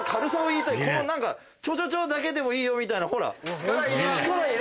この何かちょちょちょだけでもいいよみたいなほら。